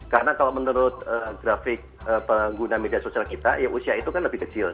karena kalau menurut grafik pengguna media sosial kita ya usia itu kan lebih kecil